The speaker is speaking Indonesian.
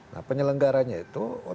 nah penyelenggaranya itu